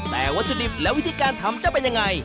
แต่วัตถุดิบและวิธีการทำจะเป็นยังไง